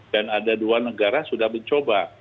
dan ada dua negara sudah mencoba